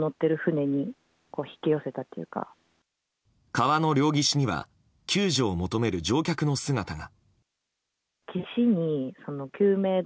川の両岸には救助を求める乗客の姿が。